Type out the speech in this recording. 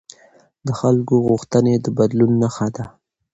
د خلکو غوښتنې د بدلون نښه ده